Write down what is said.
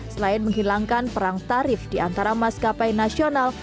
selain menghilangkan perang tarif di antara maskapai nasional